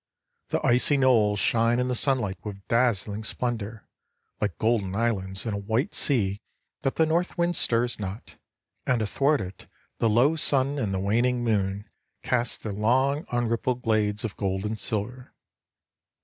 The icy knolls shine in the sunlight with dazzling splendor, like golden islands in a white sea that the north wind stirs not, and athwart it the low sun and the waning moon cast their long unrippled glades of gold and silver.